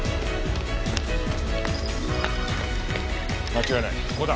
間違いないここだ。